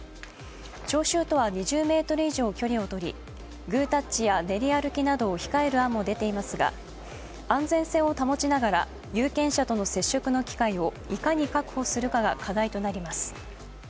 聴衆とは２０ｍ以上距離をとりグータッチや練り歩きなどを控える案も出ていますが、安全性を保ちながら有権者との接触の機会をいかに確保するかが課題となります。